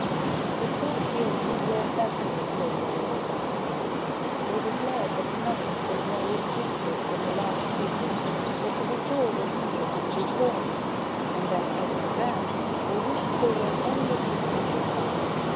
The courtiers did their best to console the royal parents. They declared that nothing was more ridiculous than a large figure ; that to be tall was simply to be deformed ; and that, as for them, they wished they were only six inches high.